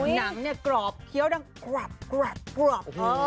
หนังกรอบเขี้ยวด้านกรับกรับกรับ